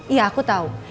iya aku tau